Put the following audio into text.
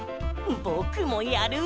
ぼくもやる！